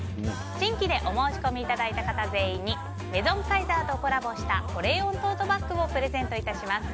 新規でお申し込みいただいた方全員にメゾンカイザーとコラボした保冷温トートバッグをプレゼントいたします。